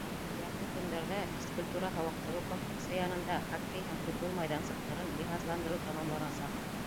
Яҡын көндәрҙә физкультура-һауыҡтырыу комплексы янында хоккей һәм футбол майҙансыҡтарын йыһазландырыу тамамланасаҡ.